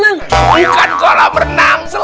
pak siti pak siti pak siti